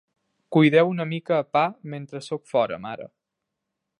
Cuideu una mica a Pa mentre soc fora, mare!